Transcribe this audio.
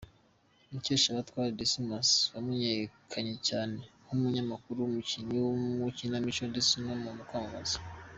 Mukeshabatware Dismas wamenyekanye cyane nk'umunyamakuru, umukinnyi w'amakinamico ndetse no mu kwamamaza.